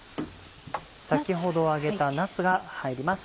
先ほど揚げたなすが入ります。